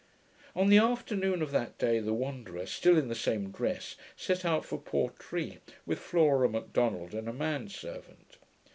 On the afternoon of that day, the Wanderer, still in the same dress, set out for Portree, with Flora Macdonald and a man servant.